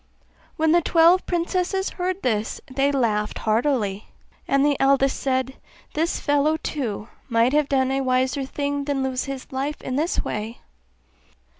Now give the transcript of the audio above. When the twelve princesses heard this they laughed heartily; and the eldest said, 'This fellow too might have done a wiser thing than lose his life in this way!